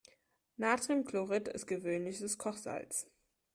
Natriumchlorid ist gewöhnliches Kochsalz.